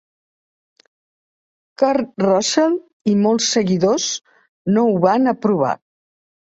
Kurt Russell i molts seguidors no ho van aprovar.